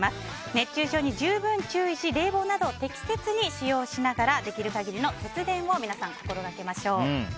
熱中症に十分注意し冷房など適切に使用しながらできる限りの節電を皆さん、心がけましょう。